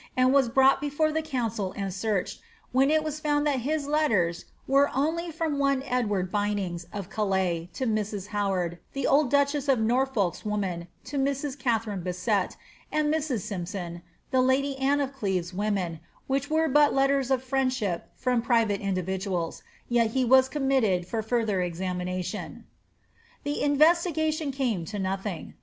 and was brought before the council and searched, when it was found that his letters were only from one Edward Bynings of Calais to Mrs. Howard, the old duchess of Norfolk's woman, to Mrs. Katharine Bassett, and Mrs. Sympson, the lady Anne of Cleve's women, which were but letters of friendship from private individuals ; yet he was committed for further examination. "^ The investigation came to nothing.